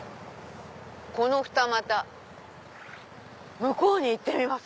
このふた股向こうに行ってみます。